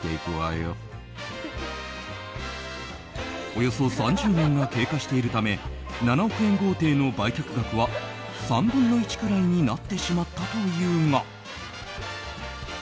およそ３０年が経過しているため７億円豪邸の売却額は３分の１くらいになってしまったというが。